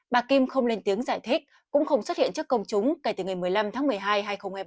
bà kim không lên tiếng giải thích cũng không xuất hiện trước công chúng kể từ ngày một mươi năm tháng một mươi hai hai nghìn hai mươi ba